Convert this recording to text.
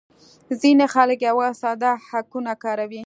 ځینې خلک یوازې ساده هکونه کاروي